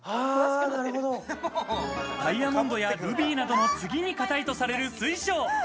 ダイヤモンドやルビーなどの次に硬いとされる水晶。